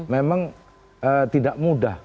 memang tidak mudah